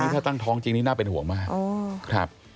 ถ้าตั้งท้องจริงนี่น่าเป็นห่วงมากครับ